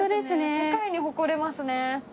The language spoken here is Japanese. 世界に誇れますね。